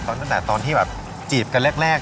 ตั้งแต่ตอนที่แบบจีบกันแรก